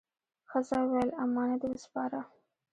ښځه وویل: «امانت دې وسپاره؟»